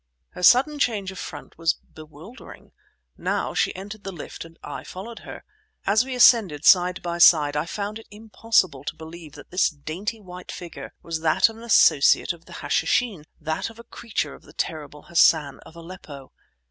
Her sudden change of front was bewildering. Now, she entered the lift and I followed her. As we ascended side by side I found it impossible to believe that this dainty white figure was that of an associate of the Hashishin, that of a creature of the terrible Hassan of Aleppo.